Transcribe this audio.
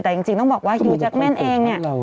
แต่จริงต้องบอกว่าฮิวแจ๊คเม่นเอง